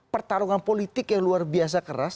pertarungan politik yang luar biasa keras